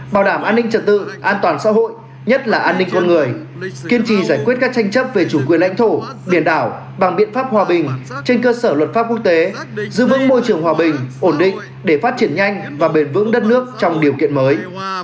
bảo đảm an ninh trật tự an toàn xã hội nhất là an ninh con người kiên trì giải quyết các tranh chấp về chủ quyền lãnh thổ biển đảo bằng biện pháp hòa bình trên cơ sở luật pháp quốc tế giữ vững môi trường hòa bình ổn định để phát triển nhanh và bền vững đất nước trong điều kiện mới